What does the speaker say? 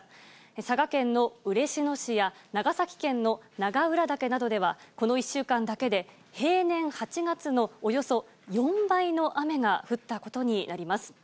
佐賀県の嬉野市や長崎県の長浦岳などでは、この１週間だけで平年８月のおよそ４倍の雨が降ったことになります。